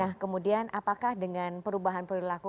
nah kemudian apakah dengan perubahan perilaku